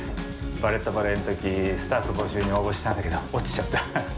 「バレット・バレエ」の時スタッフ募集に応募したんだけど落ちちゃった。